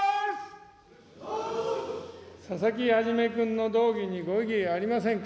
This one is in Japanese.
佐々木紀君の動議にご異議ありませんか。